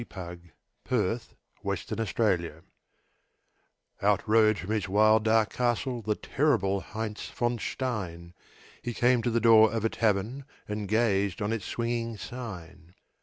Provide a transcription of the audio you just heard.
_ THE LEGEND OF HEINZ VON STEIN Out rode from his wild, dark castle The terrible Heinz von Stein; He came to the door of a tavern And gazed on its swinging sign.